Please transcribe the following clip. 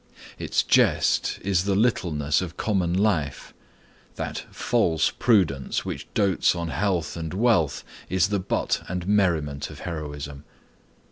Its jest is the littleness of common life. That false prudence which dotes on health and wealth is the butt and merriment of heroism.